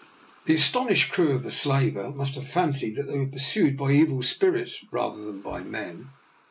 The astonished crew of the slaver must have fancied that they were pursued by evil spirits rather than by men.